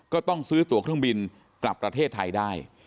ก็ต้องซื้อตัวเครื่องบินกลับประเทศไทยได้